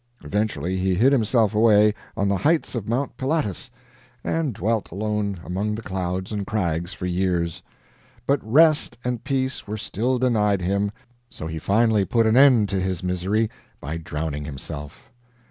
Eventually, he hid himself away, on the heights of Mount Pilatus, and dwelt alone among the clouds and crags for years; but rest and peace were still denied him, so he finally put an end to his misery by drowning himself.